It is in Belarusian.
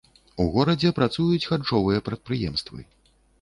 У горадзе працуюць харчовыя прадпрыемствы.